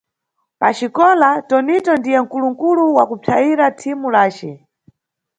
Paxikola, Tonito ndiye nkulunkulu wa kupsayira nʼthimu lace.